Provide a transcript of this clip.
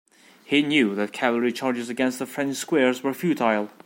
He knew that cavalry charges against the French squares were futile.